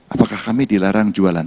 apakah kami dilarang jualan